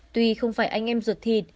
tuy không phải anh em ruột thịt